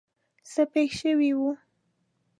څه پېښ شوي وو.